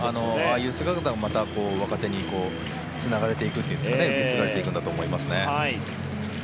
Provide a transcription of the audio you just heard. ああいう姿も、若手につながれていくというんですかね受け継がれていくんだと思いますね。